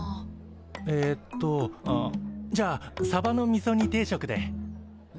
えっとあじゃあサバのみそ煮定食で。